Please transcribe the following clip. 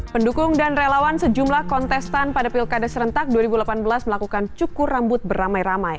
pendukung dan relawan sejumlah kontestan pada pilkada serentak dua ribu delapan belas melakukan cukur rambut beramai ramai